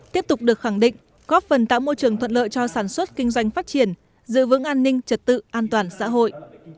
tiếp tục được khẳng định góp phần tạo môi trường thuận lợi cho sản xuất kinh doanh phát triển giữ vững an ninh trật tự an toàn xã hội